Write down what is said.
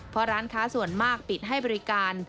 เพราะร้านค้าส่วนมากปิดให้บริการ